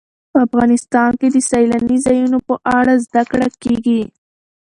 افغانستان کې د سیلاني ځایونو په اړه زده کړه کېږي.